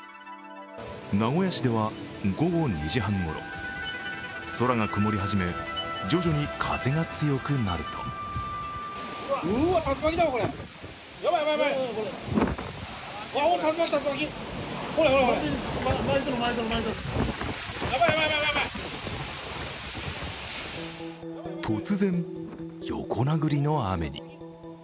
名古屋市では、午後２時半ごろ空が曇り始め、徐々に風が強くなると突然、横殴りの雨に。